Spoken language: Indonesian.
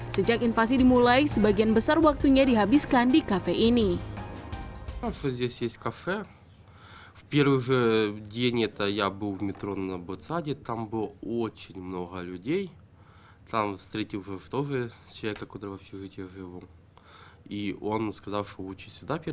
sejak invasi dimulai sebagian besar waktunya dihabiskan di kafe ini